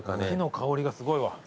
木の香りがすごいわ。